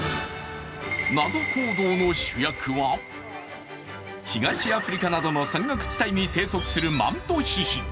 謎行動の主役は東アフリカなどの山岳地帯に生息するマントヒヒ。